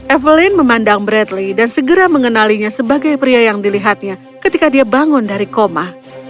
evelyn memandang bradley dan segera mengenalinya sebagai pria yang dilihatnya ketika dia bangun dari koma